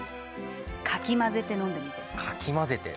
かき混ぜて飲んでみて。